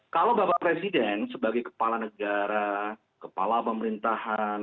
kalau bapak presiden sebagai kepala negara kepala pemerintahan